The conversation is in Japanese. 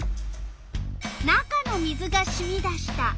「中の水がしみ出した」。